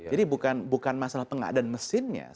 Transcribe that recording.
jadi bukan masalah pengadaan mesinnya